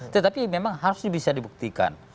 tetapi memang harusnya bisa dibuktikan